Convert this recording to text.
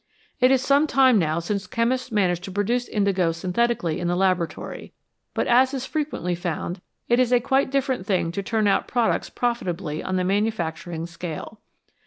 It is some time now since chemists managed to produce indigo synthetically in the laboratory, but, as is frequently found, it is quite a different thing to turn out products profitably on the manufacturing scale.